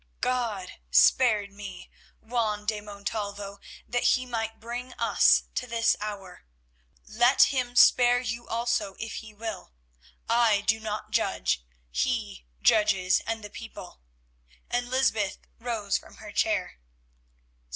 "God spared me, Juan de Montalvo, that He might bring us to this hour; let Him spare you also if He will. I do not judge. He judges and the people," and Lysbeth rose from her chair.